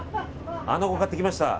アナゴ買ってきました。